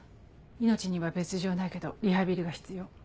命には別条ないけどリハビリが必要。